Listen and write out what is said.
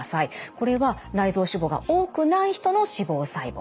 これは内臓脂肪が多くない人の脂肪細胞。